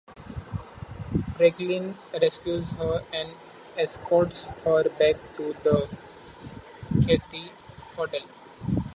Franklyn rescues her and escorts her back to the Cathay Hotel.